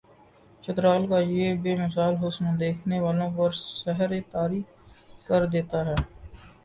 چترال کا یہ بے مثال حسن دیکھنے والوں پر سحر طاری کردیتا ہے